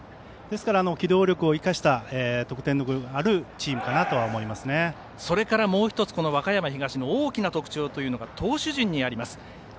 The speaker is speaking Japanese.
ですから機動力を生かした得点力のあるチームかなとそれから、もう１つ和歌山東の大きな特徴が投手陣にあります。